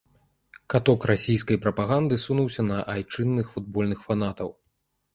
Каток расійскай прапаганды сунуўся на айчынных футбольных фанатаў.